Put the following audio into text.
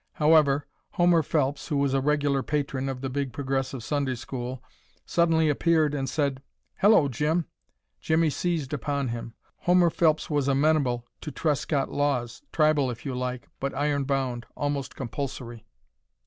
However, Homer Phelps, who was a regular patron of the Big Progressive Sunday school, suddenly appeared and said, "Hello, Jim!" Jimmie seized upon him. Homer Phelps was amenable to Trescott laws, tribal if you like, but iron bound, almost compulsory.